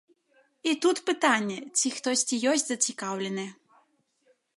І тут пытанне, ці хтосьці ёсць зацікаўлены.